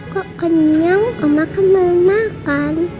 kok kenyang oma kan belum makan